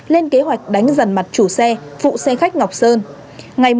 lên kế hoạch đánh dằn mặt chủ xe phụ xe khách mỹ an